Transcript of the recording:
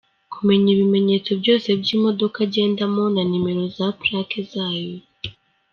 Kumenya ibimenyetso byose by’imodoka agendamo na numero za plaques zayo,